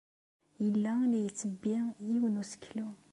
Yella la ittebbi yiwen n useklu.